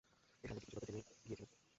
ঐ সাংবাদিক কিছু কথা জেনে গিয়েছিল।